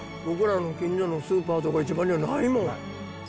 僕らの近所のスーパーとか市場にはないもん。